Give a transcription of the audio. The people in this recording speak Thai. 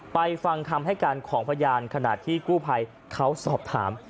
ฟังคำให้การของพยานขณะที่กู้ภัยเขาสอบถาม